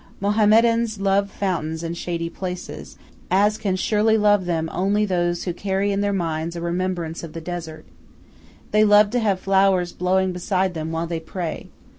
Mohammedans love fountains and shady places, as can surely love them only those who carry in their minds a remembrance of the desert. They love to have flowers blowing beside them while they pray.